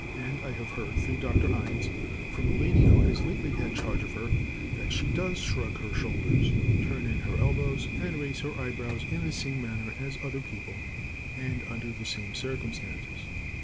And I have heard, through Dr. Innes, from a lady who has lately had charge of her, that she does shrug her shoulders, turn in her elbows, and raise her eyebrows in the same manner as other people, and under the same circumstances.